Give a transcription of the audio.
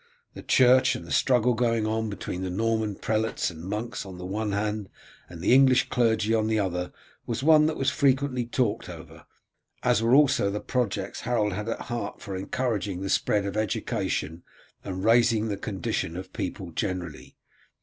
The church and the struggle going on between the Norman prelates and monks on the one hand and the English clergy on the other was one that was frequently talked over, as were also the projects Harold had at heart for encouraging the spread of education and raising the condition of people generally.